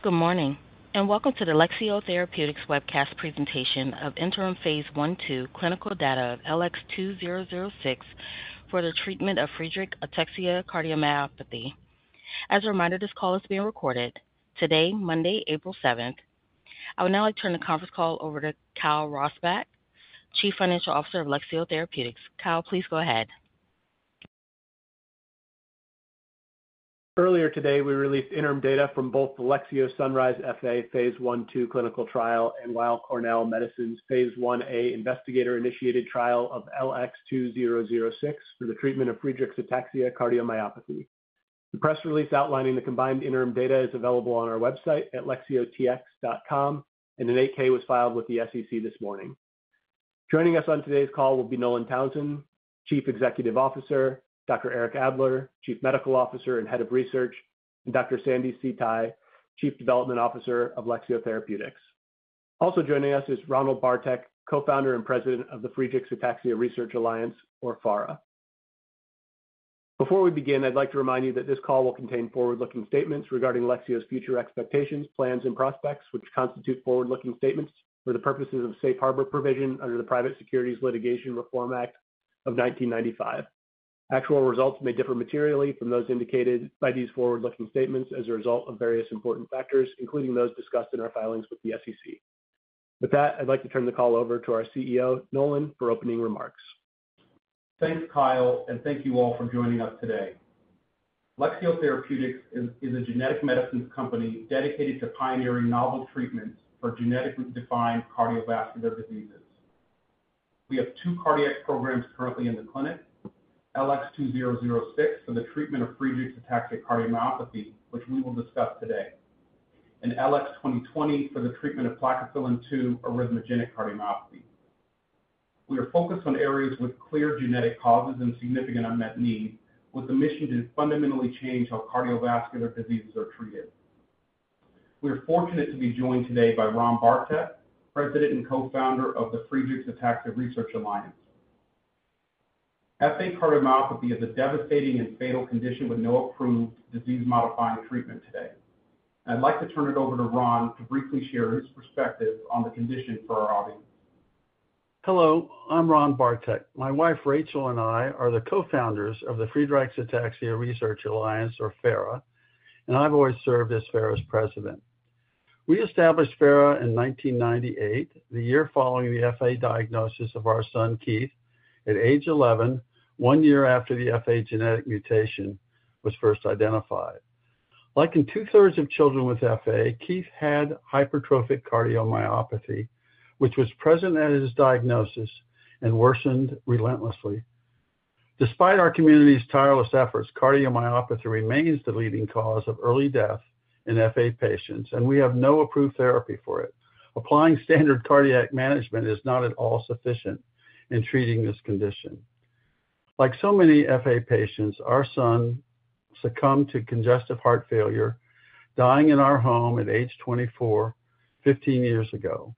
Good morning and welcome to the Lexeo Therapeutics webcast presentation of interim phase I-II clinical data of LX2006 for the treatment of Friedreich's ataxia cardiomyopathy. As a reminder, this call is being recorded. Today, Monday, April 7th. I will now turn the conference call over to Kyle Rasbach, Chief Financial Officer of Lexeo Therapeutics. Kyle, please go ahead. Earlier today, we released interim data from both the Lexeo Sunrise FA phase I-II clinical trial and Weill Cornell Medicine's phase IA investigator-initiated trial of LX2006 for the treatment of Friedreich's ataxia cardiomyopathy. The press release outlining the combined interim data is available on our website at lexeotx.com, and an 8-K was filed with the SEC this morning. Joining us on today's call will be Nolan Townsend, Chief Executive Officer; Dr. Eric Adler, Chief Medical Officer and Head of Research; and Dr. Sandi See Tai, Chief Development Officer of Lexeo Therapeutics. Also joining us is Ronald Bartek, Co-Founder and President of the Friedreich's Ataxia Research Alliance, or FARA. Before we begin, I'd like to remind you that this call will contain forward-looking statements regarding Lexeo's future expectations, plans, and prospects, which constitute forward-looking statements for the purposes of safe harbor provision under the Private Securities Litigation Reform Act of 1995. Actual results may differ materially from those indicated by these forward-looking statements as a result of various important factors, including those discussed in our filings with the SEC. With that, I'd like to turn the call over to our CEO, Nolan, for opening remarks. Thanks, Kyle, and thank you all for joining us today. Lexeo Therapeutics is a genetic medicines company dedicated to pioneering novel treatments for genetically defined cardiovascular diseases. We have two cardiac programs currently in the clinic: LX2006 for the treatment of Friedreich's ataxia cardiomyopathy, which we will discuss today, and LX2020 for the treatment of plakophilin-2 arrhythmogenic cardiomyopathy. We are focused on areas with clear genetic causes and significant unmet needs, with the mission to fundamentally change how cardiovascular diseases are treated. We are fortunate to be joined today by Ron Bartek, President and Co-Founder of the Friedreich's Ataxia Research Alliance. FA cardiomyopathy is a devastating and fatal condition with no approved disease-modifying treatment today. I'd like to turn it over to Ron to briefly share his perspective on the condition for our audience. Hello, I'm Ron Bartek. My wife, Raychel, and I are the Co-Founders of the Friedreich's Ataxia Research Alliance, or FARA, and I've always served as FARA's President. We established FARA in 1998, the year following the FA diagnosis of our son, Keith, at age 11, one year after the FA genetic mutation was first identified. Like two-thirds of children with FA, Keith had hypertrophic cardiomyopathy, which was present at his diagnosis and worsened relentlessly. Despite our community's tireless efforts, cardiomyopathy remains the leading cause of early death in FA patients, and we have no approved therapy for it. Applying standard cardiac management is not at all sufficient in treating this condition. Like so many FA patients, our son succumbed to congestive heart failure, dying in our home at age 24, 15 years ago.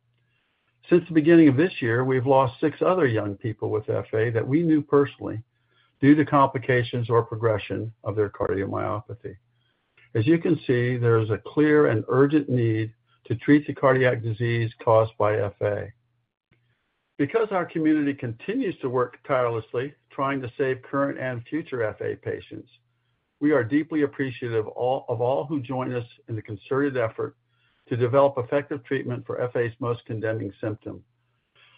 Since the beginning of this year, we've lost six other young people with FA that we knew personally due to complications or progression of their cardiomyopathy. As you can see, there is a clear and urgent need to treat the cardiac disease caused by FA. Because our community continues to work tirelessly trying to save current and future FA patients, we are deeply appreciative of all who join us in the concerted effort to develop effective treatment for FA's most condemning symptom.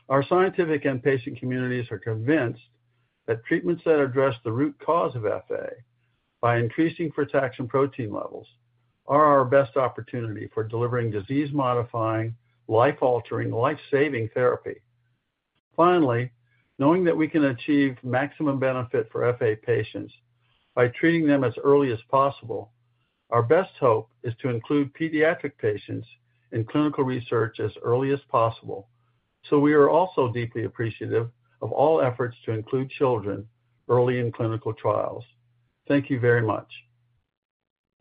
Our scientific and patient communities are convinced that treatments that address the root cause of FA by increasing frataxin protein levels are our best opportunity for delivering disease-modifying, life-altering, life-saving therapy. Finally, knowing that we can achieve maximum benefit for FA patients by treating them as early as possible, our best hope is to include pediatric patients in clinical research as early as possible. We are also deeply appreciative of all efforts to include children early in clinical trials. Thank you very much.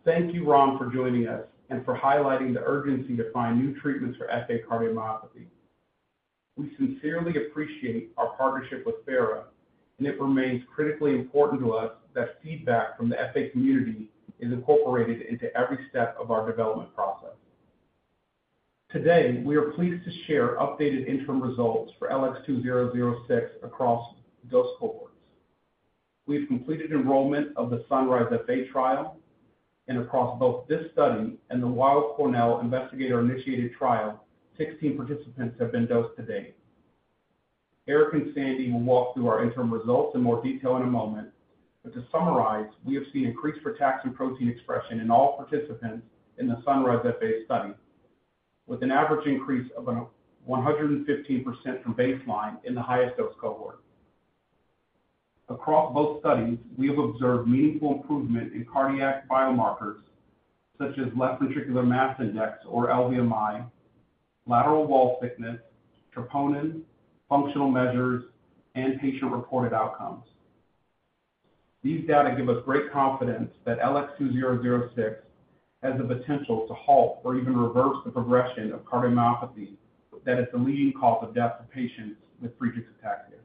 Thank you, Ron, for joining us and for highlighting the urgency to find new treatments for FA cardiomyopathy. We sincerely appreciate our partnership with FARA, and it remains critically important to us that feedback from the FA community is incorporated into every step of our development process. Today, we are pleased to share updated interim results for LX2006 across dose cohorts. We've completed enrollment of the Sunrise FA trial, and across both this study and the Weill Cornell Investigator Initiated Trial, 16 participants have been dosed to date. Eric and Sandi will walk through our interim results in more detail in a moment, but to summarize, we have seen increased protein expression in all participants in the Sunrise FA study, with an average increase of 115% from baseline in the highest dose cohort. Across both studies, we have observed meaningful improvement in cardiac biomarkers such as left ventricular mass index, or LVMI, lateral wall thickness, troponin, functional measures, and patient-reported outcomes. These data give us great confidence that LX2006 has the potential to halt or even reverse the progression of cardiomyopathy that is the leading cause of death for patients with Friedreich's ataxia.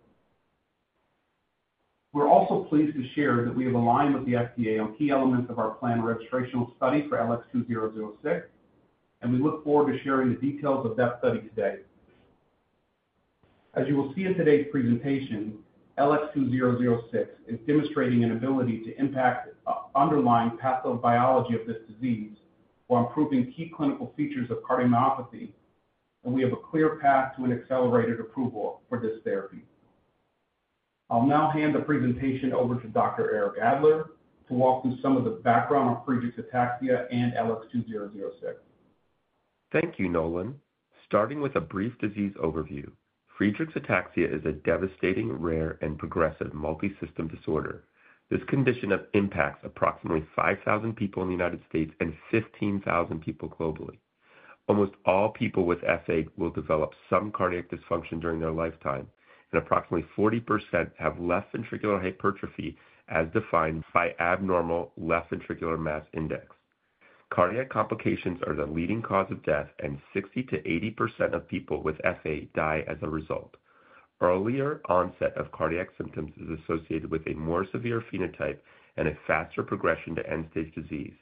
We're also pleased to share that we have aligned with the FDA on key elements of our planned registration study for LX2006, and we look forward to sharing the details of that study today. As you will see in today's presentation, LX2006 is demonstrating an ability to impact underlying pathobiology of this disease while improving key clinical features of cardiomyopathy, and we have a clear path to an accelerated approval for this therapy. I'll now hand the presentation over to Dr. Eric Adler to walk through some of the background of Friedreich's ataxia and LX2006. Thank you, Nolan. Starting with a brief disease overview, Friedreich's ataxia is a devastating, rare, and progressive multisystem disorder. This condition impacts approximately 5,000 people in the United States and 15,000 people globally. Almost all people with FA will develop some cardiac dysfunction during their lifetime, and approximately 40% have left ventricular hypertrophy as defined by abnormal left ventricular mass index. Cardiac complications are the leading cause of death, and 60%-80% of people with FA die as a result. Earlier onset of cardiac symptoms is associated with a more severe phenotype and a faster progression to end-stage disease.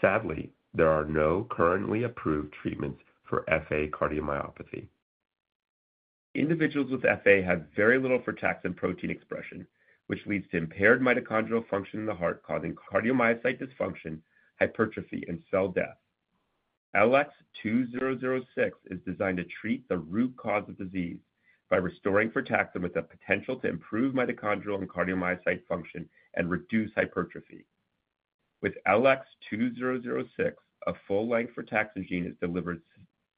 Sadly, there are no currently approved treatments for FA cardiomyopathy. Individuals with FA have very little frataxin protein expression, which leads to impaired mitochondrial function in the heart, causing cardiomyocyte dysfunction, hypertrophy, and cell death. LX2006 is designed to treat the root cause of disease by restoring frataxin with the potential to improve mitochondrial and cardiomyocyte function and reduce hypertrophy. With LX2006, a full-length frataxin gene is delivered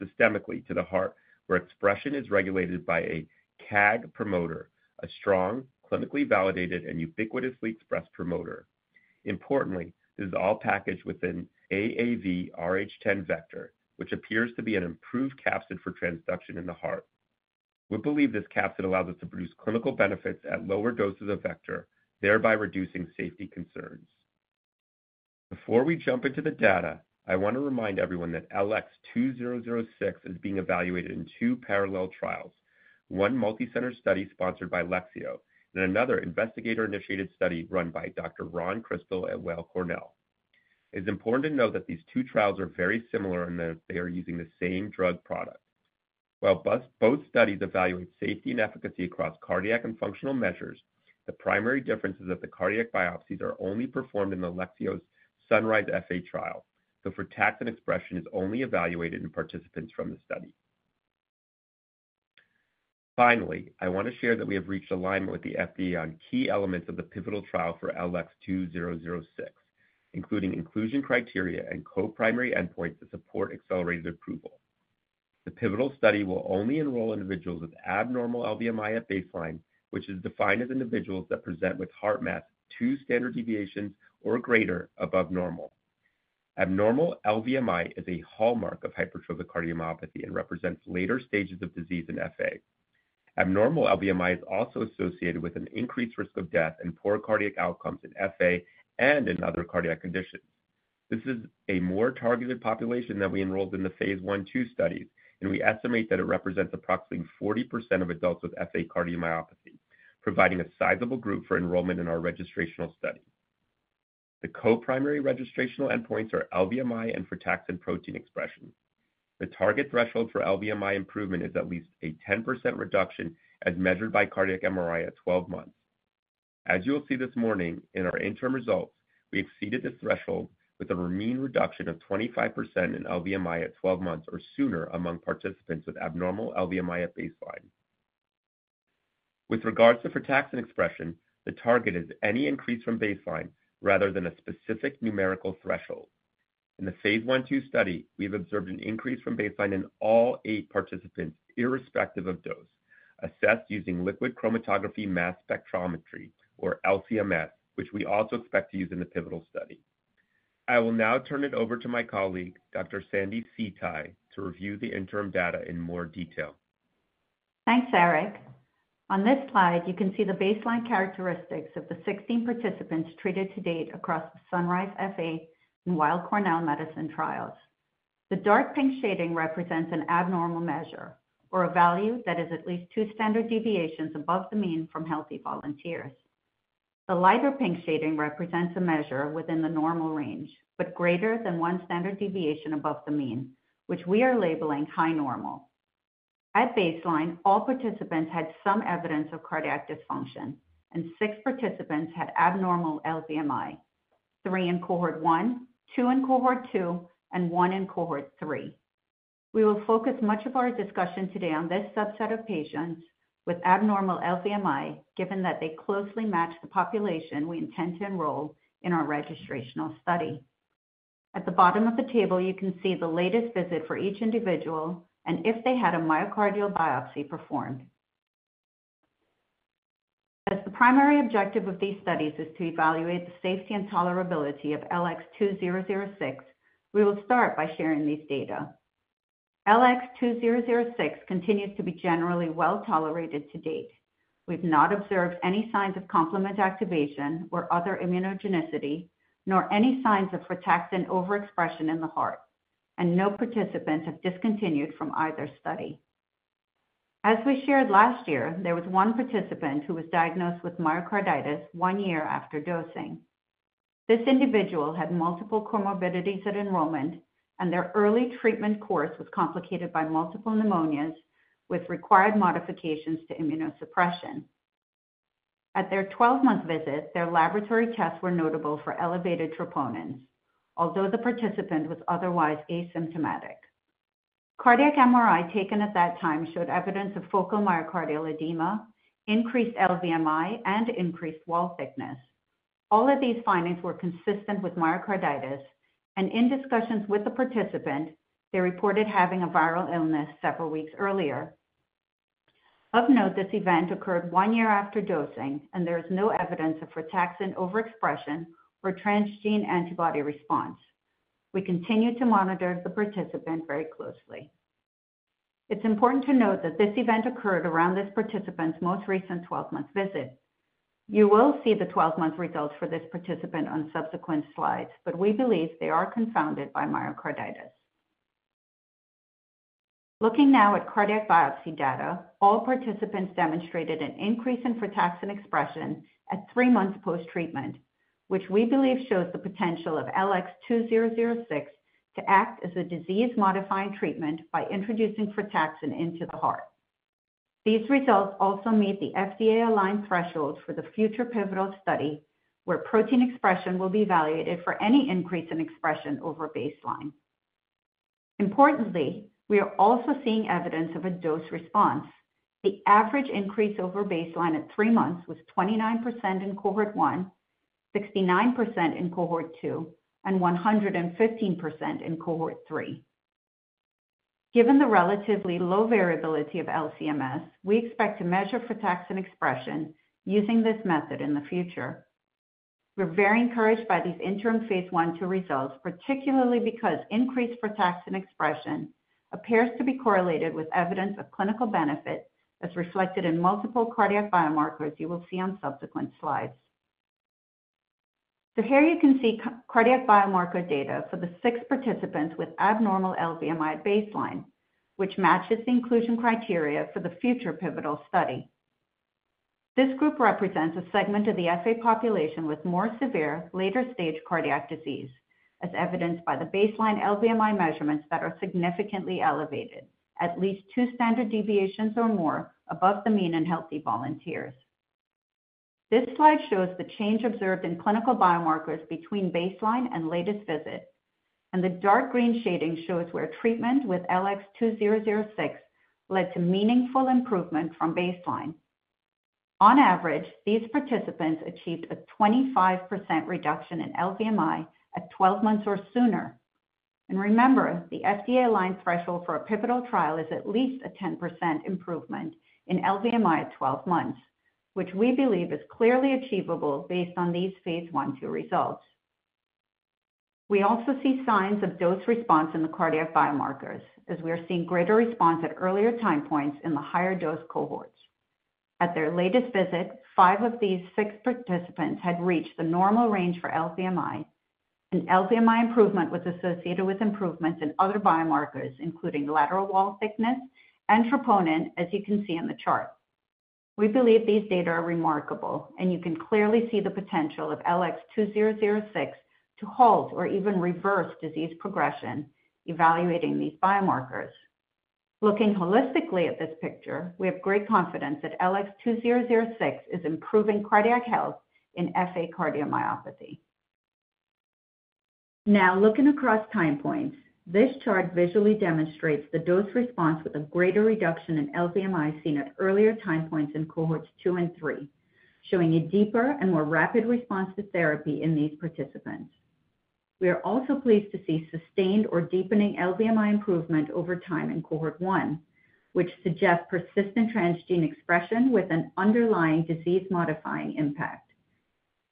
systemically to the heart, where expression is regulated by a CAG promoter, a strong, clinically validated, and ubiquitously expressed promoter. Importantly, this is all packaged within AAVrh10 vector, which appears to be an improved capsid for transduction in the heart. We believe this capsid allows us to produce clinical benefits at lower doses of vector, thereby reducing safety concerns. Before we jump into the data, I want to remind everyone that LX2006 is being evaluated in two parallel trials: one multicenter study sponsored by Lexeo and another investigator-initiated study run by Dr. Ron Crystal at Weill Cornell. It is important to note that these two trials are very similar in that they are using the same drug product. While both studies evaluate safety and efficacy across cardiac and functional measures, the primary difference is that the cardiac biopsies are only performed in Lexeo's Sunrise FA trial, though protein expression is only evaluated in participants from the study. Finally, I want to share that we have reached alignment with the FDA on key elements of the pivotal trial for LX2006, including inclusion criteria and co-primary endpoints to support accelerated approval. The pivotal study will only enroll individuals with abnormal LVMI at baseline, which is defined as individuals that present with heart mass two standard deviations or greater above normal. Abnormal LVMI is a hallmark of hypertrophic cardiomyopathy and represents later stages of disease in FA. Abnormal LVMI is also associated with an increased risk of death and poor cardiac outcomes in FA and in other cardiac conditions. This is a more targeted population than we enrolled in the phase I-II studies, and we estimate that it represents approximately 40% of adults with FA cardiomyopathy, providing a sizable group for enrollment in our registrational study. The co-primary registrational endpoints are LVMI and frataxin protein expression. The target threshold for LVMI improvement is at least a 10% reduction as measured by cardiac MRI at 12 months. As you will see this morning in our interim results, we exceeded this threshold with a mean reduction of 25% in LVMI at 12 months or sooner among participants with abnormal LVMI at baseline. With regards to frataxin expression, the target is any increase from baseline rather than a specific numerical threshold. In the phase I-II study, we have observed an increase from baseline in all eight participants irrespective of dose, assessed using liquid chromatography mass spectrometry, or LCMS, which we also expect to use in the pivotal study. I will now turn it over to my colleague, Dr. Sandi See Tai, to review the interim data in more detail. Thanks, Eric. On this slide, you can see the baseline characteristics of the 16 participants treated to date across the Sunrise FA and Weill Cornell Medicine trials. The dark pink shading represents an abnormal measure, or a value that is at least two standard deviations above the mean from healthy volunteers. The lighter pink shading represents a measure within the normal range, but greater than one standard deviation above the mean, which we are labeling high normal. At baseline, all participants had some evidence of cardiac dysfunction, and six participants had abnormal LVMI: three in cohort one, two in cohort two, and one in cohort three. We will focus much of our discussion today on this subset of patients with abnormal LVMI, given that they closely match the population we intend to enroll in our registrational study. At the bottom of the table, you can see the latest visit for each individual and if they had a myocardial biopsy performed. As the primary objective of these studies is to evaluate the safety and tolerability of LX2006, we will start by sharing these data. LX2006 continues to be generally well tolerated to date. We've not observed any signs of complement activation or other immunogenicity, nor any signs of frataxin overexpression in the heart, and no participants have discontinued from either study. As we shared last year, there was one participant who was diagnosed with myocarditis one year after dosing. This individual had multiple comorbidities at enrollment, and their early treatment course was complicated by multiple pneumonias with required modifications to immunosuppression. At their 12-month visit, their laboratory tests were notable for elevated troponin, although the participant was otherwise asymptomatic. Cardiac MRI taken at that time showed evidence of focal myocardial edema, increased LVMI, and increased wall thickness. All of these findings were consistent with myocarditis, and in discussions with the participant, they reported having a viral illness several weeks earlier. Of note, this event occurred one year after dosing, and there is no evidence of frataxin overexpression or transgene antibody response. We continue to monitor the participant very closely. It's important to note that this event occurred around this participant's most recent 12-month visit. You will see the 12-month results for this participant on subsequent slides, but we believe they are confounded by myocarditis. Looking now at cardiac biopsy data, all participants demonstrated an increase in frataxin expression at three months post-treatment, which we believe shows the potential of LX2006 to act as a disease-modifying treatment by introducing frataxin into the heart. These results also meet the FDA-aligned thresholds for the future pivotal study, where protein expression will be evaluated for any increase in expression over baseline. Importantly, we are also seeing evidence of a dose response. The average increase over baseline at three months was 29% in cohort one, 69% in cohort two, and 115% in cohort three. Given the relatively low variability of LCMS, we expect to measure frataxin expression using this method in the future. We're very encouraged by these interim phase I-II results, particularly because increased frataxin expression appears to be correlated with evidence of clinical benefit, as reflected in multiple cardiac biomarkers you will see on subsequent slides. Here you can see cardiac biomarker data for the six participants with abnormal LVMI at baseline, which matches the inclusion criteria for the future pivotal study. This group represents a segment of the FA population with more severe, later-stage cardiac disease, as evidenced by the baseline LVMI measurements that are significantly elevated, at least two standard deviations or more above the mean in healthy volunteers. This slide shows the change observed in clinical biomarkers between baseline and latest visit, and the dark green shading shows where treatment with LX2006 led to meaningful improvement from baseline. On average, these participants achieved a 25% reduction in LVMI at 12 months or sooner. Remember, the FDA-aligned threshold for a pivotal trial is at least a 10% improvement in LVMI at 12 months, which we believe is clearly achievable based on these phase I-II results. We also see signs of dose response in the cardiac biomarkers, as we are seeing greater response at earlier time points in the higher dose cohorts. At their latest visit, five of these six participants had reached the normal range for LVMI, and LVMI improvement was associated with improvements in other biomarkers, including lateral wall thickness and troponin, as you can see in the chart. We believe these data are remarkable, and you can clearly see the potential of LX2006 to halt or even reverse disease progression evaluating these biomarkers. Looking holistically at this picture, we have great confidence that LX2006 is improving cardiac health in FA cardiomyopathy. Now, looking across time points, this chart visually demonstrates the dose response with a greater reduction in LVMI seen at earlier time points in cohorts two and three, showing a deeper and more rapid response to therapy in these participants. We are also pleased to see sustained or deepening LVMI improvement over time in cohort one, which suggests persistent transgene expression with an underlying disease-modifying impact.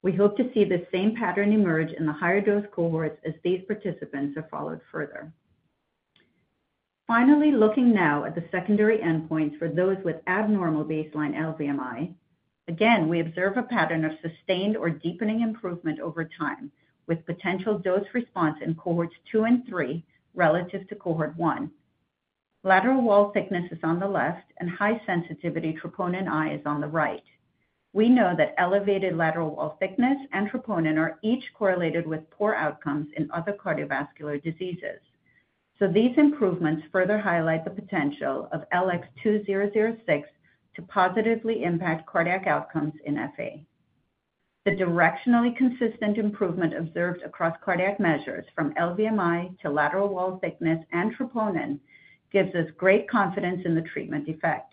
We hope to see the same pattern emerge in the higher dose cohorts as these participants are followed further. Finally, looking now at the secondary endpoints for those with abnormal baseline LVMI, again, we observe a pattern of sustained or deepening improvement over time with potential dose response in cohorts two and three relative to cohort one. Lateral wall thickness is on the left, and high sensitivity troponin I is on the right. We know that elevated lateral wall thickness and troponin are each correlated with poor outcomes in other cardiovascular diseases. These improvements further highlight the potential of LX2006 to positively impact cardiac outcomes in FA. The directionally consistent improvement observed across cardiac measures from LVMI to lateral wall thickness and troponin gives us great confidence in the treatment effect.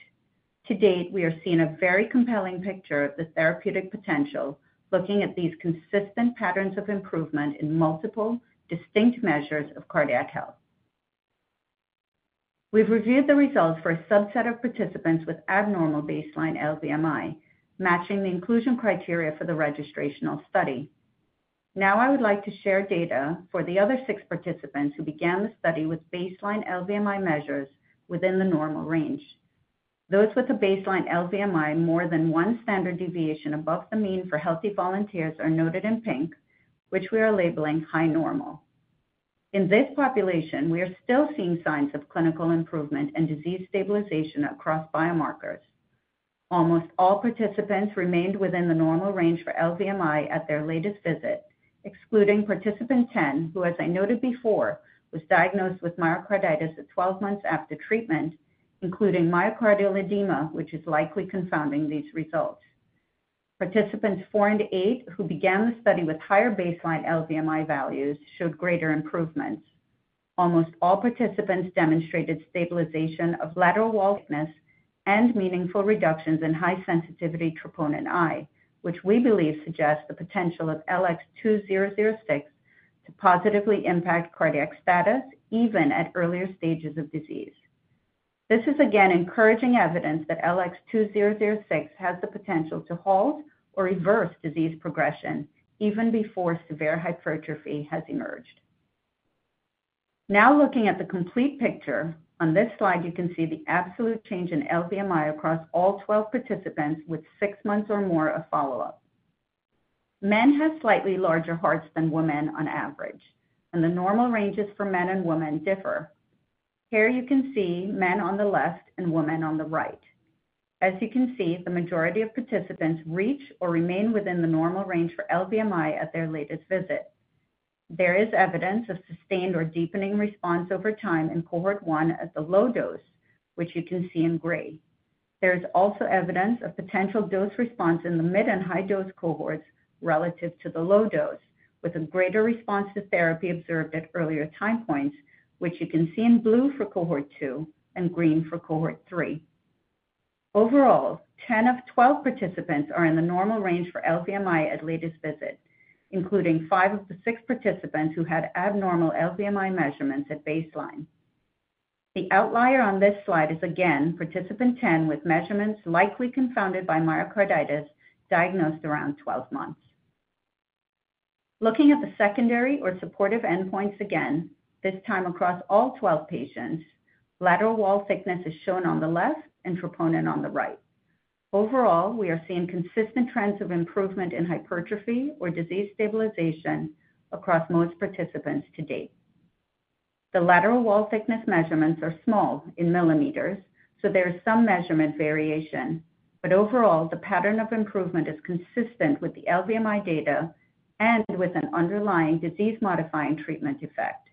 To date, we are seeing a very compelling picture of the therapeutic potential looking at these consistent patterns of improvement in multiple distinct measures of cardiac health. We've reviewed the results for a subset of participants with abnormal baseline LVMI, matching the inclusion criteria for the registrational study. Now, I would like to share data for the other six participants who began the study with baseline LVMI measures within the normal range. Those with a baseline LVMI more than one standard deviation above the mean for healthy volunteers are noted in pink, which we are labeling high normal. In this population, we are still seeing signs of clinical improvement and disease stabilization across biomarkers. Almost all participants remained within the normal range for LVMI at their latest visit, excluding participant 10, who, as I noted before, was diagnosed with myocarditis at 12 months after treatment, including myocardial edema, which is likely confounding these results. Participants four and eight, who began the study with higher baseline LVMI values, showed greater improvements. Almost all participants demonstrated stabilization of lateral wall thickness and meaningful reductions in high sensitivity troponin I, which we believe suggests the potential of LX2006 to positively impact cardiac status even at earlier stages of disease. This is, again, encouraging evidence that LX2006 has the potential to halt or reverse disease progression even before severe hypertrophy has emerged. Now, looking at the complete picture, on this slide, you can see the absolute change in LVMI across all 12 participants with six months or more of follow-up. Men have slightly larger hearts than women on average, and the normal ranges for men and women differ. Here you can see men on the left and women on the right. As you can see, the majority of participants reach or remain within the normal range for LVMI at their latest visit. There is evidence of sustained or deepening response over time in cohort one at the low dose, which you can see in gray. There is also evidence of potential dose response in the mid and high dose cohorts relative to the low dose, with a greater response to therapy observed at earlier time points, which you can see in blue for cohort two and green for cohort three. Overall, 10 of 12 participants are in the normal range for LVMI at latest visit, including five of the six participants who had abnormal LVMI measurements at baseline. The outlier on this slide is, again, participant 10 with measurements likely confounded by myocarditis diagnosed around 12 months. Looking at the secondary or supportive endpoints again, this time across all 12 patients, lateral wall thickness is shown on the left and troponin on the right. Overall, we are seeing consistent trends of improvement in hypertrophy or disease stabilization across most participants to date. The lateral wall thickness measurements are small in millimeters, so there is some measurement variation, but overall, the pattern of improvement is consistent with the LVMI data and with an underlying disease-modifying treatment effect.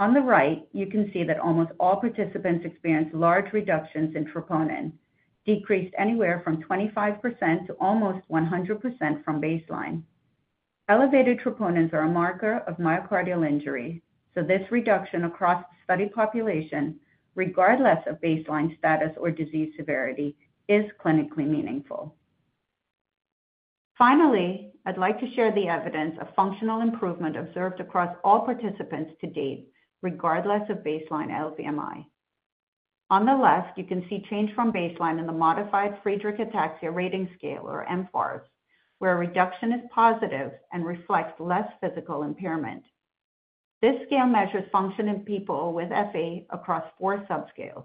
On the right, you can see that almost all participants experience large reductions in troponin, decreased anywhere from 25% to almost 100% from baseline. Elevated troponins are a marker of myocardial injury, so this reduction across the study population, regardless of baseline status or disease severity, is clinically meaningful. Finally, I'd like to share the evidence of functional improvement observed across all participants to date, regardless of baseline LVMI. On the left, you can see change from baseline in the modified Friedreich Ataxia Rating Scale, or mFARS, where a reduction is positive and reflects less physical impairment. This scale measures function in people with FA across four subscales: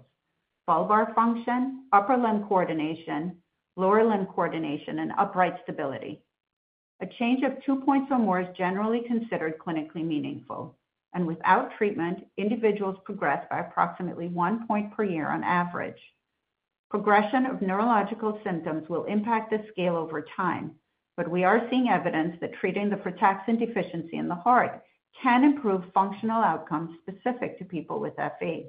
bulbar function, upper limb coordination, lower limb coordination, and upright stability. A change of two points or more is generally considered clinically meaningful, and without treatment, individuals progress by approximately one point per year on average. Progression of neurological symptoms will impact the scale over time, but we are seeing evidence that treating the frataxin deficiency in the heart can improve functional outcomes specific to people with FA.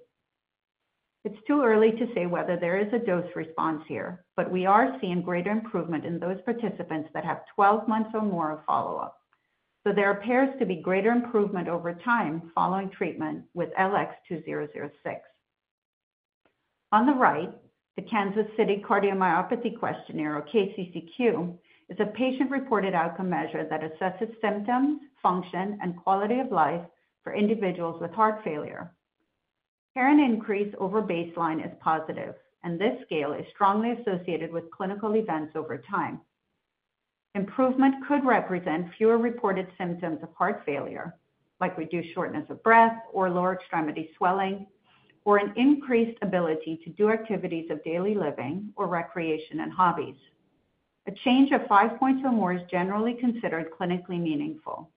It's too early to say whether there is a dose response here, but we are seeing greater improvement in those participants that have 12 months or more of follow-up. There appears to be greater improvement over time following treatment with LX2006. On the right, the Kansas City Cardiomyopathy Questionnaire, or KCCQ, is a patient-reported outcome measure that assesses symptoms, function, and quality of life for individuals with heart failure. Here an increase over baseline is positive, and this scale is strongly associated with clinical events over time. Improvement could represent fewer reported symptoms of heart failure, like reduced shortness of breath or lower extremity swelling, or an increased ability to do activities of daily living or recreation and hobbies. A change of five points or more is generally considered clinically meaningful.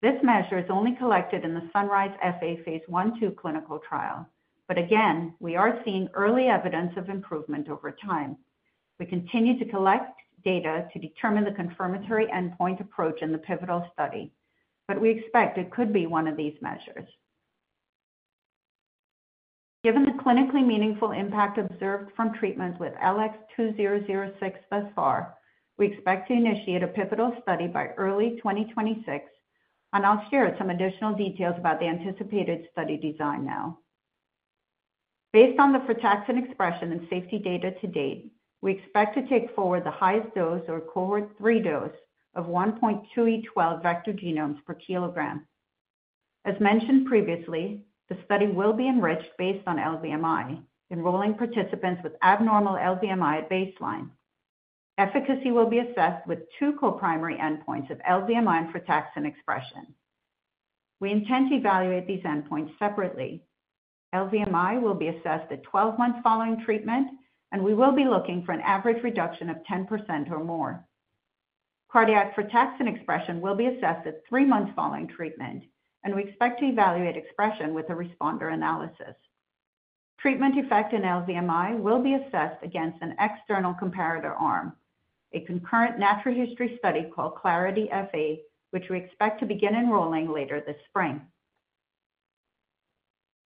This measure is only collected in the Sunrise FA phase I-II clinical trial, but again, we are seeing early evidence of improvement over time. We continue to collect data to determine the confirmatory endpoint approach in the pivotal study, but we expect it could be one of these measures. Given the clinically meaningful impact observed from treatment with LX2006 thus far, we expect to initiate a pivotal study by early 2026, and I'll share some additional details about the anticipated study design now. Based on the frataxin expression and safety data to date, we expect to take forward the highest dose, or cohort three dose, of 1.2E12 vector genomes per kilogram. As mentioned previously, the study will be enriched based on LVMI, enrolling participants with abnormal LVMI at baseline. Efficacy will be assessed with two co-primary endpoints of LVMI and frataxin expression. We intend to evaluate these endpoints separately. LVMI will be assessed at 12 months following treatment, and we will be looking for an average reduction of 10% or more. Cardiac frataxin expression will be assessed at three months following treatment, and we expect to evaluate expression with a responder analysis. Treatment effect in LVMI will be assessed against an external comparator arm, a concurrent natural history study called CLARITY-FA, which we expect to begin enrolling later this spring.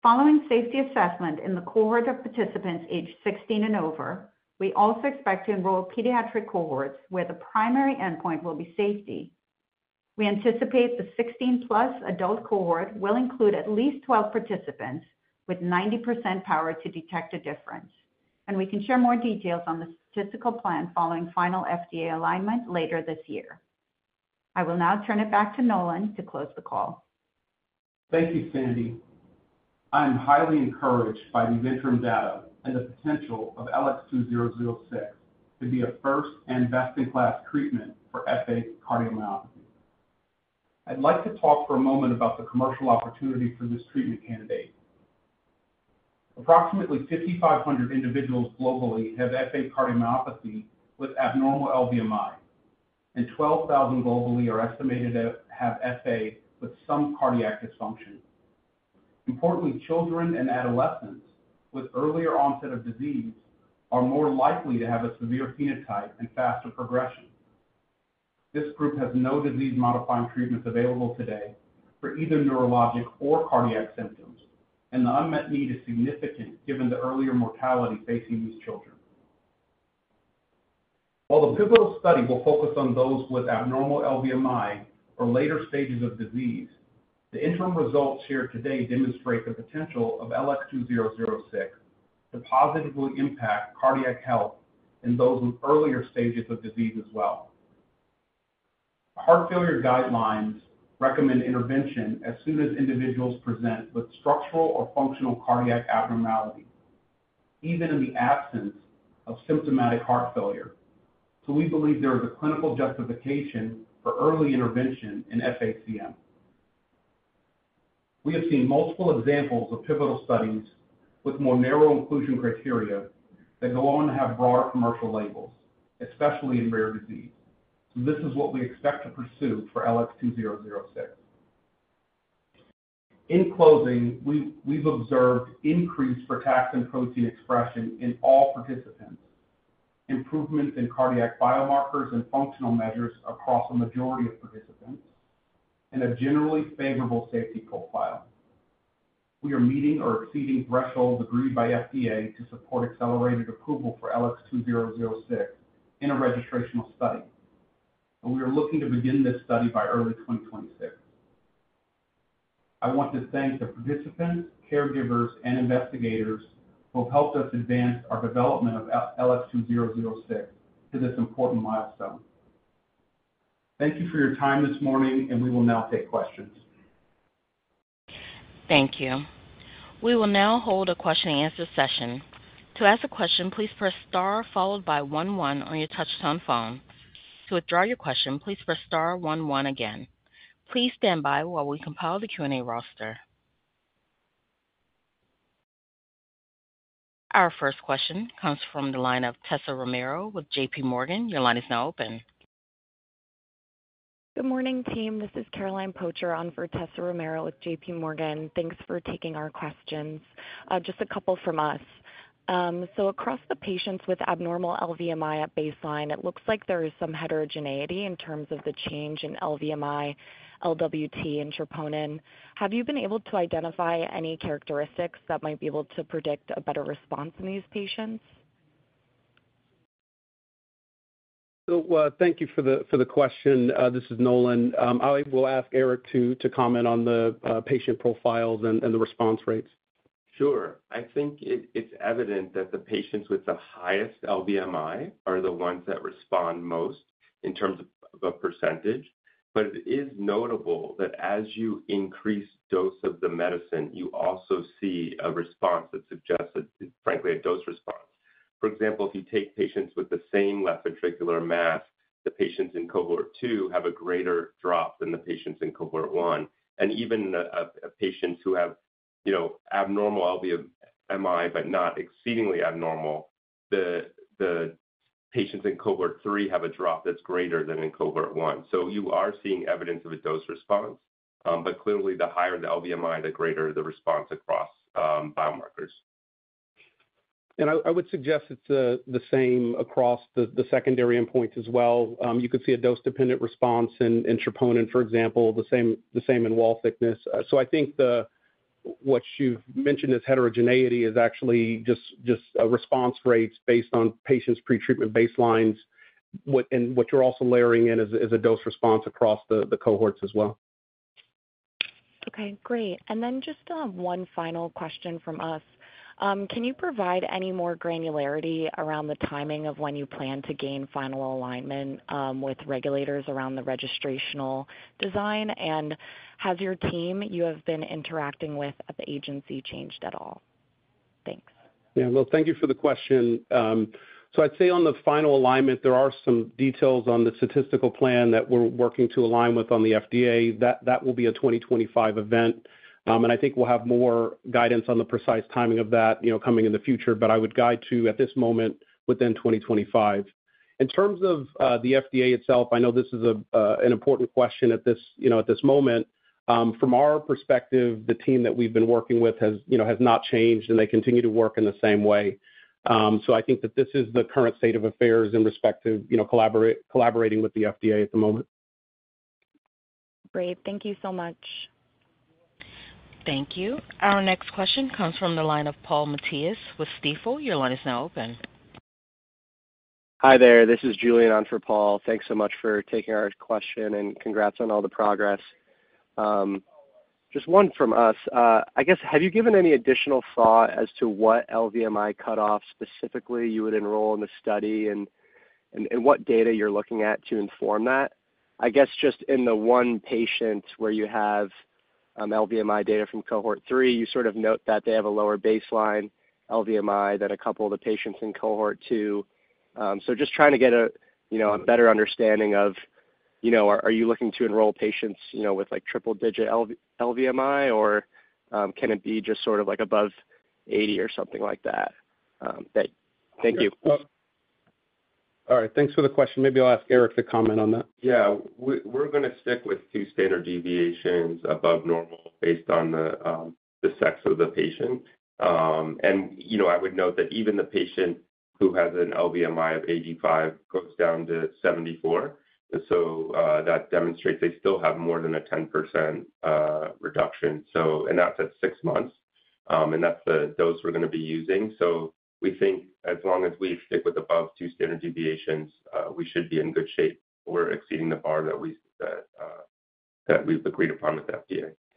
Following safety assessment in the cohort of participants aged 16 and over, we also expect to enroll pediatric cohorts where the primary endpoint will be safety. We anticipate the 16+ adult cohort will include at least 12 participants with 90% power to detect a difference, and we can share more details on the statistical plan following final FDA alignment later this year. I will now turn it back to Nolan to close the call. Thank you, Sandi. I'm highly encouraged by these interim data and the potential of LX2006 to be a first and best-in-class treatment for FA cardiomyopathy. I'd like to talk for a moment about the commercial opportunity for this treatment candidate. Approximately 5,500 individuals globally have FA cardiomyopathy with abnormal LVMI, and 12,000 globally are estimated to have FA with some cardiac dysfunction. Importantly, children and adolescents with earlier onset of disease are more likely to have a severe phenotype and faster progression. This group has no disease-modifying treatments available today for either neurologic or cardiac symptoms, and the unmet need is significant given the earlier mortality facing these children. While the pivotal study will focus on those with abnormal LVMI or later stages of disease, the interim results shared today demonstrate the potential of LX2006 to positively impact cardiac health in those with earlier stages of disease as well. Heart failure guidelines recommend intervention as soon as individuals present with structural or functional cardiac abnormality, even in the absence of symptomatic heart failure. We believe there is a clinical justification for early intervention in FACM. We have seen multiple examples of pivotal studies with more narrow inclusion criteria that go on to have broader commercial labels, especially in rare disease. This is what we expect to pursue for LX2006. In closing, we've observed increased frataxin protein expression in all participants, improvements in cardiac biomarkers and functional measures across a majority of participants, and a generally favorable safety profile. We are meeting or exceeding thresholds agreed by FDA to support accelerated approval for LX2006 in a registrational study, and we are looking to begin this study by early 2026. I want to thank the participants, caregivers, and investigators who have helped us advance our development of LX2006 to this important milestone. Thank you for your time this morning, and we will now take questions. Thank you. We will now hold a question-and-answer session. To ask a question, please press star followed by one one on your touch-tone phone. To withdraw your question, please press star one one again. Please stand by while we compile the Q&A roster. Our first question comes from the line of Tessa Romero with JPMorgan. Your line is now open. Good morning, team. This is Caroline Pocher on for Tessa Romero with JPMorgan. Thanks for taking our questions. Just a couple from us. Across the patients with abnormal LVMI at baseline, it looks like there is some heterogeneity in terms of the change in LVMI, LWT, and troponin. Have you been able to identify any characteristics that might be able to predict a better response in these patients? Thank you for the question. This is Nolan. I will ask Eric to comment on the patient profiles and the response rates. Sure. I think it's evident that the patients with the highest LVMI are the ones that respond most in terms of a percentage, but it is notable that as you increase the dose of the medicine, you also see a response that suggests, frankly, a dose response. For example, if you take patients with the same left ventricular mass, the patients in cohort two have a greater drop than the patients in cohort one, and even patients who have abnormal LVMI but not exceedingly abnormal, the patients in cohort three have a drop that's greater than in cohort one. You are seeing evidence of a dose response, but clearly the higher the LVMI, the greater the response across biomarkers. I would suggest it's the same across the secondary endpoints as well. You could see a dose-dependent response in troponin, for example, the same in wall thickness. I think what you've mentioned as heterogeneity is actually just a response rate based on patients' pretreatment baselines, and what you're also layering in is a dose response across the cohorts as well. Okay. Great. Then just one final question from us. Can you provide any more granularity around the timing of when you plan to gain final alignment with regulators around the registrational design, and has your team you have been interacting with at the agency changed at all? Thanks. Yeah. Thank you for the question. I'd say on the final alignment, there are some details on the statistical plan that we're working to align with on the FDA. That will be a 2025 event, and I think we'll have more guidance on the precise timing of that coming in the future, but I would guide to, at this moment, within 2025. In terms of the FDA itself, I know this is an important question at this moment. From our perspective, the team that we've been working with has not changed, and they continue to work in the same way. I think that this is the current state of affairs in respect to collaborating with the FDA at the moment. Great. Thank you so much. Thank you. Our next question comes from the line of Paul Matteis with Stifel. Your line is now open. Hi there. This is Julian on for Paul. Thanks so much for taking our question and congrats on all the progress. Just one from us. I guess, have you given any additional thought as to what LVMI cutoff specifically you would enroll in the study and what data you're looking at to inform that? I guess just in the one patient where you have LVMI data from cohort three, you sort of note that they have a lower baseline LVMI than a couple of the patients in cohort two. Just trying to get a better understanding of, are you looking to enroll patients with triple-digit LVMI, or can it be just sort of above 80 or something like that? Thank you. All right. Thanks for the question. Maybe I'll ask Eric to comment on that. Yeah. We're going to stick with two standard deviations above normal based on the sex of the patient. I would note that even the patient who has an LVMI of 85 goes down to 74. That demonstrates they still have more than a 10% reduction, and that is at six months, and that is the dose we are going to be using. We think as long as we stick with above two standard deviations, we should be in good shape or exceeding the bar that we have agreed upon with the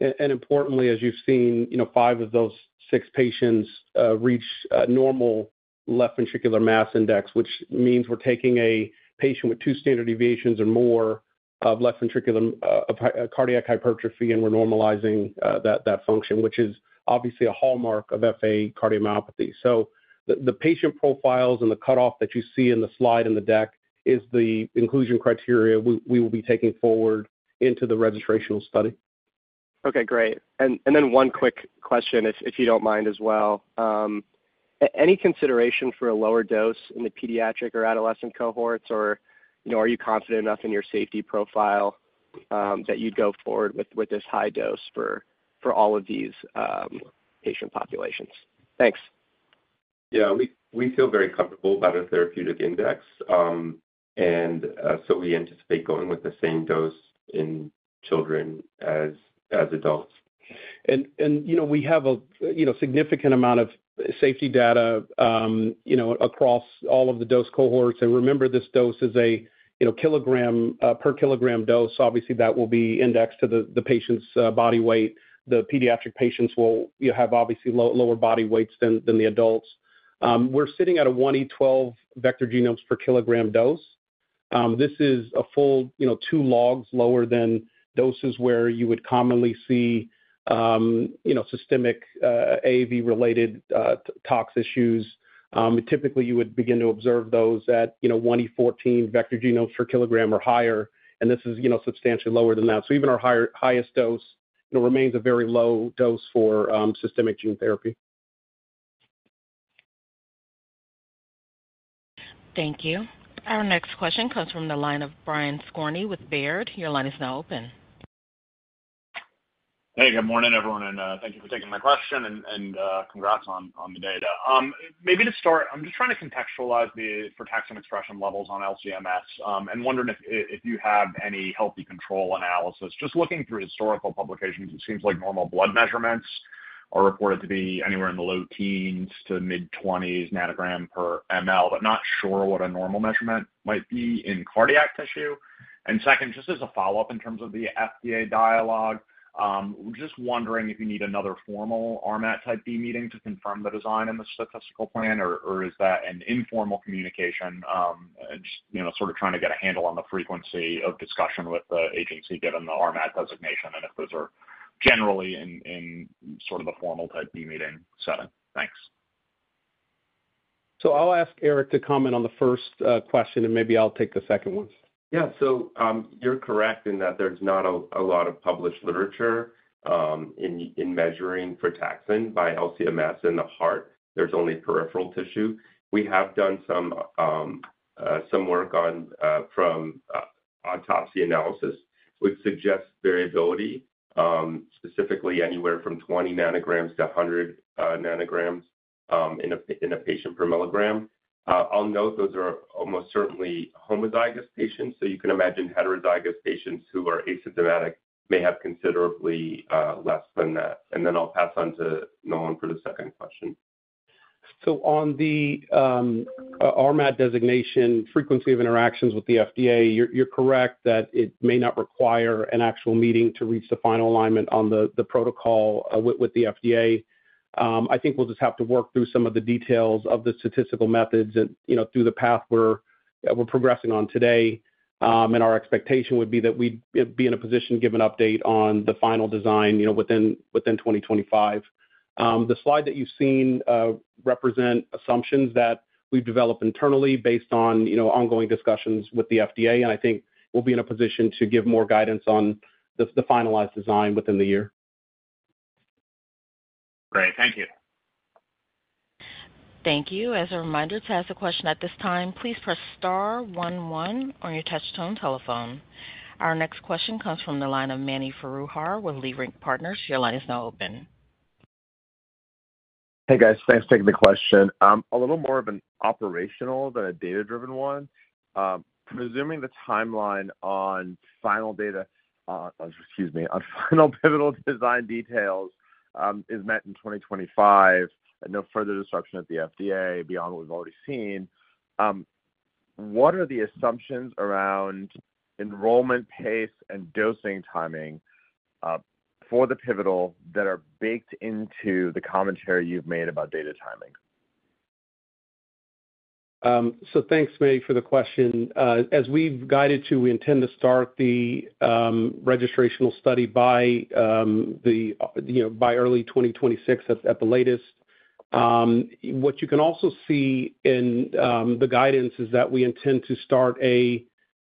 FDA. Importantly, as you have seen, five of those six patients reach normal left ventricular mass index, which means we are taking a patient with two standard deviations or more of cardiac hypertrophy, and we are normalizing that function, which is obviously a hallmark of FA cardiomyopathy. The patient profiles and the cutoff that you see in the slide in the deck is the inclusion criteria we will be taking forward into the registrational study. Okay. Great. One quick question, if you don't mind as well. Any consideration for a lower dose in the pediatric or adolescent cohorts, or are you confident enough in your safety profile that you'd go forward with this high dose for all of these patient populations? Thanks. Yeah. We feel very comfortable about a therapeutic index, and so we anticipate going with the same dose in children as adults. We have a significant amount of safety data across all of the dose cohorts. Remember, this dose is a kilogram per kilogram dose. Obviously, that will be indexed to the patient's body weight. The pediatric patients will have obviously lower body weights than the adults. We're sitting at a 1E12 vector genomes per kilogram dose. This is a full two logs lower than doses where you would commonly see systemic AAV-related tox issues. Typically, you would begin to observe those at 1E14 vector genomes per kilogram or higher, and this is substantially lower than that. Even our highest dose remains a very low dose for systemic gene therapy. Thank you. Our next question comes from the line of Brian Skorney with Baird. Your line is now open. Hey. Good morning, everyone, and thank you for taking my question, and congrats on the data. Maybe to start, I'm just trying to contextualize the frataxin expression levels on LCMS and wondering if you have any healthy control analysis. Just looking through historical publications, it seems like normal blood measurements are reported to be anywhere in the low teens to mid-20s nanogram per ml, but not sure what a normal measurement might be in cardiac tissue. Second, just as a follow-up in terms of the FDA dialogue, just wondering if you need another formal RMAT type B meeting to confirm the design and the statistical plan, or is that an informal communication, just sort of trying to get a handle on the frequency of discussion with the agency given the RMAT designation and if those are generally in sort of a formal type B meeting setting? Thanks. I'll ask Eric to comment on the first question, and maybe I'll take the second one. Yeah. You're correct in that there's not a lot of published literature in measuring frataxin by LCMS in the heart. There's only peripheral tissue. We have done some work from autopsy analysis, which suggests variability, specifically anywhere from 20 nanograms-100 nanograms in a patient per milligram. I'll note those are almost certainly homozygous patients, so you can imagine heterozygous patients who are asymptomatic may have considerably less than that. I will pass on to Nolan for the second question. On the RMAT designation frequency of interactions with the FDA, you're correct that it may not require an actual meeting to reach the final alignment on the protocol with the FDA. I think we'll just have to work through some of the details of the statistical methods and through the path we're progressing on today. Our expectation would be that we'd be in a position to give an update on the final design within 2025. The slide that you've seen represents assumptions that we've developed internally based on ongoing discussions with the FDA, and I think we'll be in a position to give more guidance on the finalized design within the year. Great. Thank you. Thank you. As a reminder to ask a question at this time, please press star one one on your touch-tone telephone. Our next question comes from the line of Mani Foroohar with Leerink Partners. Your line is now open. Hey, guys. Thanks for taking the question. A little more of an operational than a data-driven one. Presuming the timeline on final data—excuse me—on final pivotal design details is met in 2025 and no further disruption at the FDA beyond what we've already seen, what are the assumptions around enrollment pace and dosing timing for the pivotal that are baked into the commentary you've made about data timing? Thanks, Mani, for the question. As we've guided to, we intend to start the registrational study by early 2026 at the latest. What you can also see in the guidance is that we intend to start an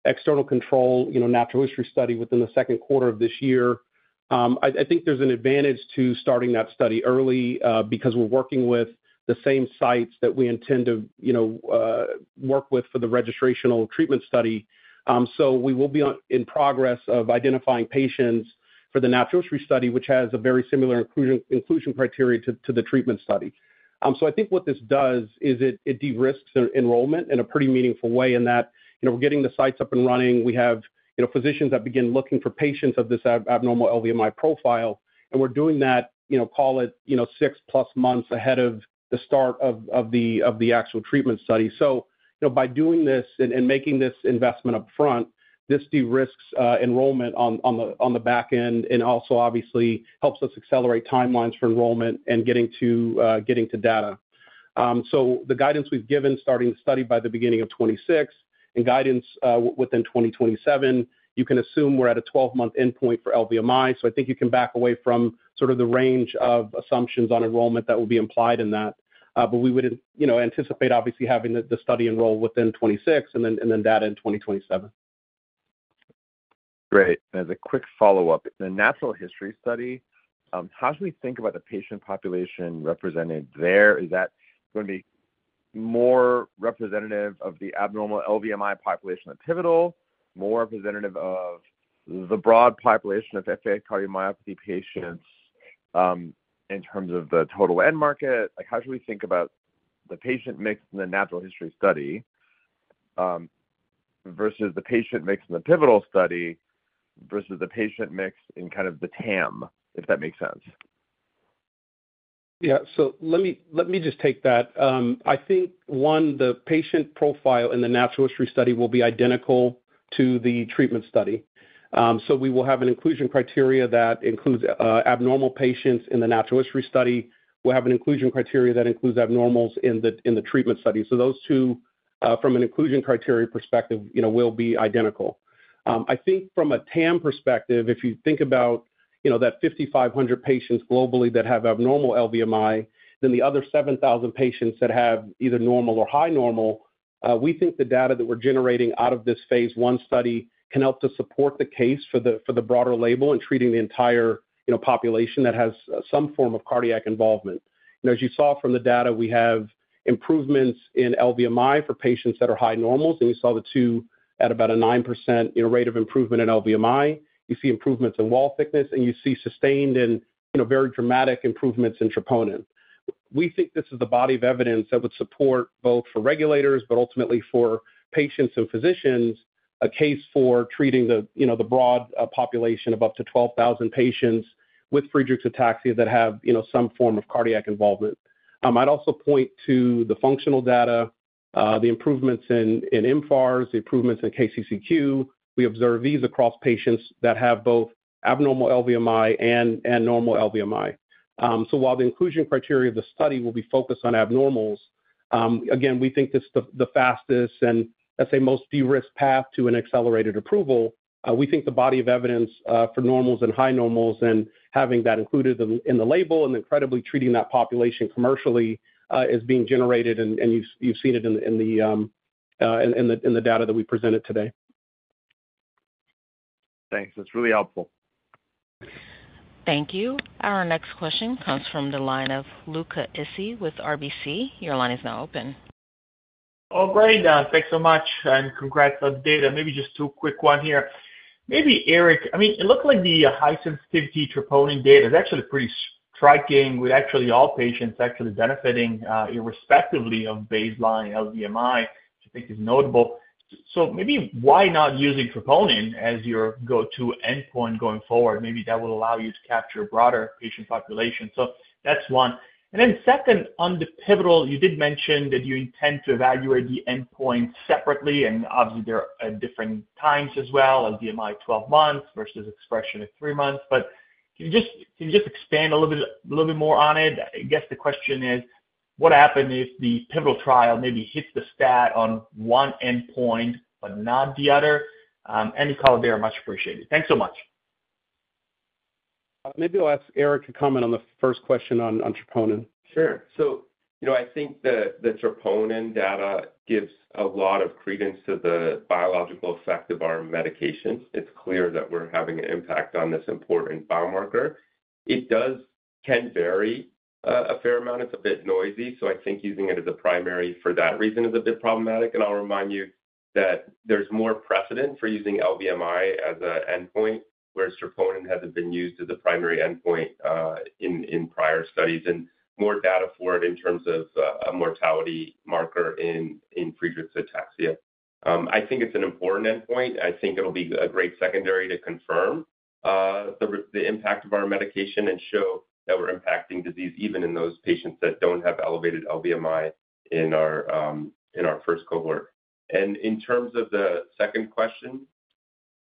external control natural history study within the second quarter of this year. I think there's an advantage to starting that study early because we're working with the same sites that we intend to work with for the registrational treatment study. We will be in progress of identifying patients for the natural history study, which has a very similar inclusion criteria to the treatment study. I think what this does is it de-risks enrollment in a pretty meaningful way in that we're getting the sites up and running. We have physicians that begin looking for patients of this abnormal LVMI profile, and we're doing that, call it, 6+ months ahead of the start of the actual treatment study. By doing this and making this investment upfront, this de-risks enrollment on the back end and also obviously helps us accelerate timelines for enrollment and getting to data. The guidance we've given starting the study by the beginning of 2026 and guidance within 2027, you can assume we're at a 12-month endpoint for LVMI. I think you can back away from sort of the range of assumptions on enrollment that will be implied in that, but we would anticipate obviously having the study enroll within 2026 and then data in 2027. Great. As a quick follow-up, the natural history study, how do we think about the patient population represented there? Is that going to be more representative of the abnormal LVMI population of pivotal, more representative of the broad population of FA cardiomyopathy patients in terms of the total end market? How should we think about the patient mix in the natural history study versus the patient mix in the pivotal study versus the patient mix in kind of the TAM, if that makes sense? Yeah. Let me just take that. I think, one, the patient profile in the natural history study will be identical to the treatment study. We will have an inclusion criteria that includes abnormal patients in the natural history study. We'll have an inclusion criteria that includes abnormals in the treatment study. Those two, from an inclusion criteria perspective, will be identical. I think from a TAM perspective, if you think about that 5,500 patients globally that have abnormal LVMI, then the other 7,000 patients that have either normal or high normal, we think the data that we're generating out of this phase I study can help to support the case for the broader label and treating the entire population that has some form of cardiac involvement. As you saw from the data, we have improvements in LVMI for patients that are high normals, and you saw the two at about a 9% rate of improvement in LVMI. You see improvements in wall thickness, and you see sustained and very dramatic improvements in troponin. We think this is the body of evidence that would support both for regulators, but ultimately for patients and physicians, a case for treating the broad population of up to 12,000 patients with Friedreich's ataxia that have some form of cardiac involvement. I'd also point to the functional data, the improvements in mFARS, the improvements in KCCQ. We observe these across patients that have both abnormal LVMI and normal LVMI. While the inclusion criteria of the study will be focused on abnormals, again, we think this is the fastest and, I'd say, most de-risked path to an accelerated approval. We think the body of evidence for normals and high normals and having that included in the label and then credibly treating that population commercially is being generated, and you've seen it in the data that we presented today. Thanks. That's really helpful. Thank you. Our next question comes from the line of Luca Issi with RBC. Your line is now open. Oh, great. Thanks so much. And congrats on the data. Maybe just two quick ones here. Maybe Eric, I mean, it looks like the high sensitivity troponin data is actually pretty striking with actually all patients actually benefiting irrespectively of baseline LVMI, which I think is notable. Maybe why not using troponin as your go-to endpoint going forward? Maybe that will allow you to capture a broader patient population. That is one. Then second, on the pivotal, you did mention that you intend to evaluate the endpoint separately, and obviously there are different times as well, LVMI 12 months versus expression at three months. Can you just expand a little bit more on it? I guess the question is, what happened if the pivotal trial maybe hits the stat on one endpoint but not the other? Any comment there? Much appreciated. Thanks so much. Maybe I'll ask Eric a comment on the first question on troponin. Sure. I think the troponin data gives a lot of credence to the biological effect of our medications. It's clear that we're having an impact on this important biomarker. It does can vary a fair amount. It's a bit noisy. I think using it as a primary for that reason is a bit problematic. I'll remind you that there's more precedent for using LVMI as an endpoint, whereas troponin hasn't been used as a primary endpoint in prior studies and more data for it in terms of a mortality marker in Friedreich's ataxia. I think it's an important endpoint. I think it'll be a great secondary to confirm the impact of our medication and show that we're impacting disease even in those patients that don't have elevated LVMI in our first cohort. In terms of the second question?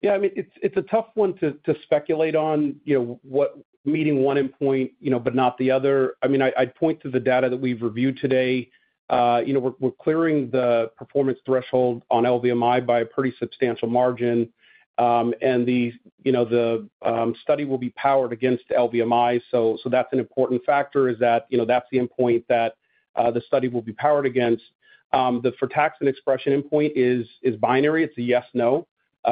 Yeah. I mean, it's a tough one to speculate on meeting one endpoint but not the other. I mean, I'd point to the data that we've reviewed today. We're clearing the performance threshold on LVMI by a pretty substantial margin, and the study will be powered against LVMI. That's an important factor is that that's the endpoint that the study will be powered against. The frataxin expression endpoint is binary. It's a yes/no.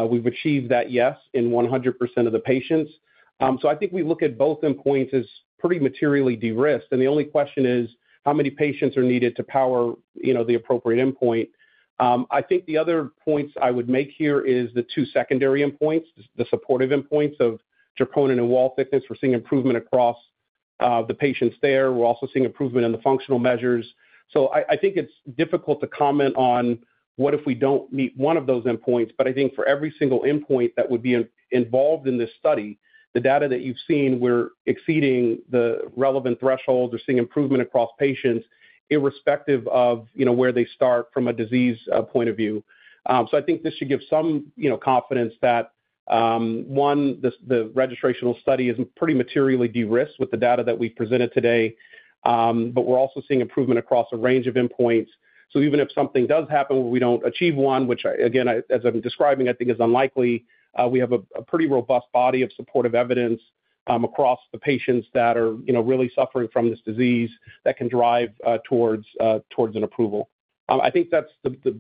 We've achieved that yes in 100% of the patients. I think we look at both endpoints as pretty materially de-risked. The only question is how many patients are needed to power the appropriate endpoint. I think the other points I would make here is the two secondary endpoints, the supportive endpoints of troponin and wall thickness. We're seeing improvement across the patients there. We're also seeing improvement in the functional measures. I think it's difficult to comment on what if we don't meet one of those endpoints, but I think for every single endpoint that would be involved in this study, the data that you've seen we're exceeding the relevant threshold. We're seeing improvement across patients irrespective of where they start from a disease point of view. I think this should give some confidence that, one, the registrational study is pretty materially de-risked with the data that we've presented today, but we're also seeing improvement across a range of endpoints. Even if something does happen where we don't achieve one, which, again, as I'm describing, I think is unlikely, we have a pretty robust body of supportive evidence across the patients that are really suffering from this disease that can drive towards an approval. I think that's the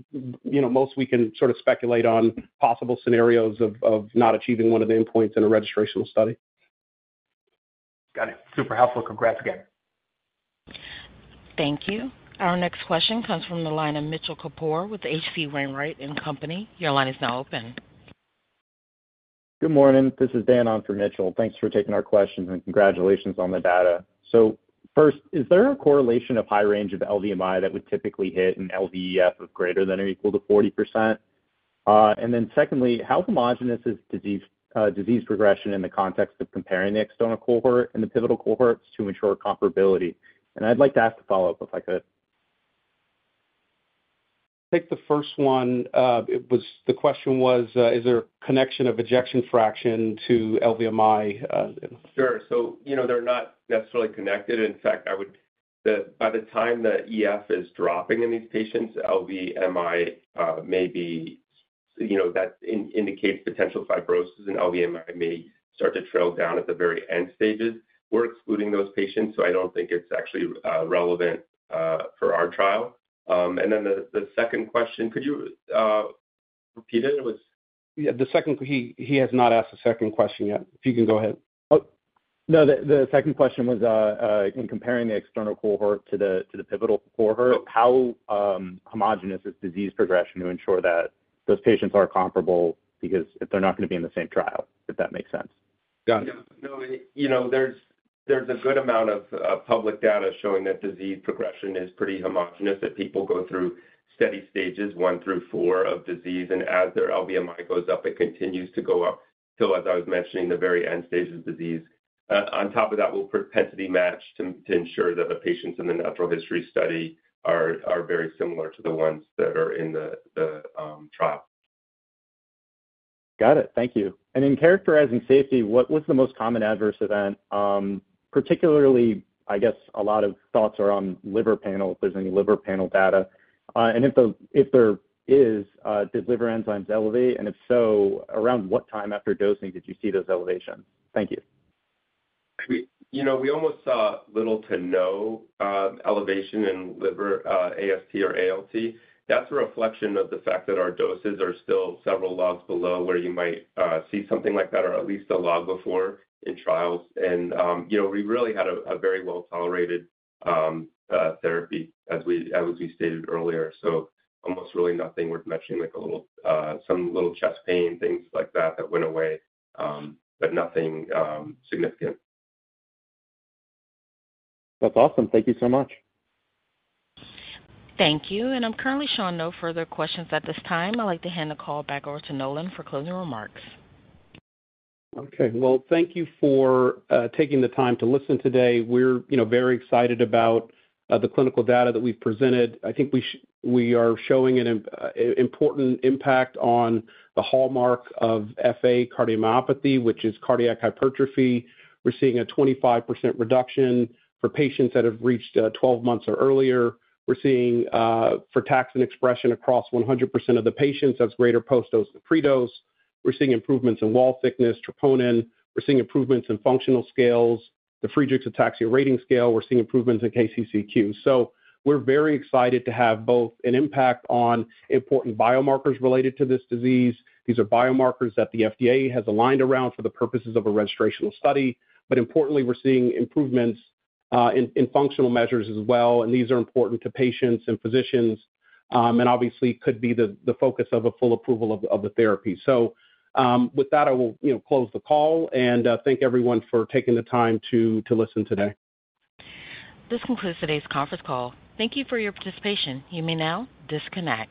most we can sort of speculate on possible scenarios of not achieving one of the endpoints in a registrational study. Got it. Super helpful. Congrats again. Thank you. Our next question comes from the line of Mitchell Kapoor with H.C. Wainwright & Company. Your line is now open. Good morning. This is Danan from Mitchell. Thanks for taking our questions and congratulations on the data. First, is there a correlation of high range of LVMI that would typically hit an LVEF of greater than or equal to 40%? Then secondly, how homogenous is disease progression in the context of comparing the external cohort and the pivotal cohorts to ensure comparability? I'd like to ask a follow-up if I could. I'll take the first one. The question was, is there a connection of ejection fraction to LVMI? Sure. They're not necessarily connected. In fact, by the time the EF is dropping in these patients, LVMI may be that indicates potential fibrosis, and LVMI may start to trail down at the very end stages. We're excluding those patients, so I don't think it's actually relevant for our trial. The second question, could you repeat it? Yeah. He has not asked the second question yet. If you can go ahead. Oh. No, the second question was in comparing the external cohort to the pivotal cohort, how homogenous is disease progression to ensure that those patients are comparable because they're not going to be in the same trial, if that makes sense? Got it. No, there's a good amount of public data showing that disease progression is pretty homogenous, that people go through steady stages one through four of disease, and as their LVMI goes up, it continues to go up till, as I was mentioning, the very end stage of disease. On top of that, we'll propensity match to ensure that the patients in the natural history study are very similar to the ones that are in the trial. Got it. Thank you. In characterizing safety, what was the most common adverse event? Particularly, I guess a lot of thoughts are on liver panel, if there's any liver panel data. If there is, did liver enzymes elevate? If so, around what time after dosing did you see those elevations? Thank you. We almost saw little to no elevation in liver AST or ALT. That is a reflection of the fact that our doses are still several logs below where you might see something like that or at least a log before in trials. We really had a very well-tolerated therapy, as we stated earlier. Almost really nothing. We are mentioning some little chest pain, things like that that went away, but nothing significant. That is awesome. Thank you so much. Thank you. I am currently showing no further questions at this time. I would like to hand the call back over to Nolan for closing remarks. Thank you for taking the time to listen today. We are very excited about the clinical data that we have presented. I think we are showing an important impact on the hallmark of FA cardiomyopathy, which is cardiac hypertrophy. We're seeing a 25% reduction for patients that have reached 12 months or earlier. We're seeing frataxin expression across 100% of the patients. That's greater post-dose than pre-dose. We're seeing improvements in wall thickness, troponin. We're seeing improvements in functional scales, the modified Friedreich Ataxia Rating Scale. We're seeing improvements in KCCQ. We are very excited to have both an impact on important biomarkers related to this disease. These are biomarkers that the FDA has aligned around for the purposes of a registrational study. Importantly, we're seeing improvements in functional measures as well. These are important to patients and physicians and obviously could be the focus of a full approval of the therapy. With that, I will close the call and thank everyone for taking the time to listen today. This concludes today's conference call. Thank you for your participation. You may now disconnect.